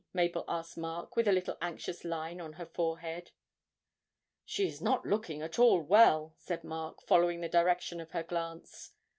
Mabel asked Mark, with a little anxious line on her forehead. 'She is not looking at all well,' said Mark, following the direction of her glance.